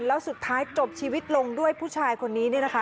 แล้วสุดท้ายจบชีวิตลงด้วยผู้ชายคนนี้